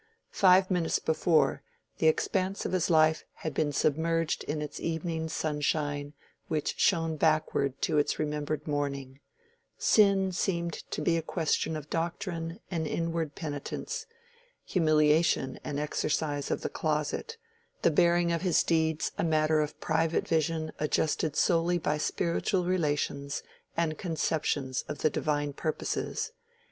Five minutes before, the expanse of his life had been submerged in its evening sunshine which shone backward to its remembered morning: sin seemed to be a question of doctrine and inward penitence, humiliation an exercise of the closet, the bearing of his deeds a matter of private vision adjusted solely by spiritual relations and conceptions of the divine purposes.